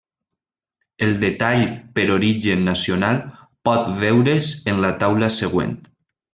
El detall per origen nacional pot veure's en la taula següent.